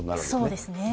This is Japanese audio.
そうですね。